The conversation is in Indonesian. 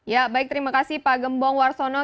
ya baik terima kasih pak gembong warsono